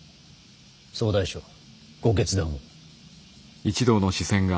総大将ご決断を。